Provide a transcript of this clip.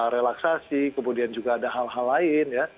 relaksasi kemudian juga ada hal hal lain ya